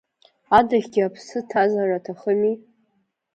Адаӷьгьы аԥсы ҭазар аҭахыми…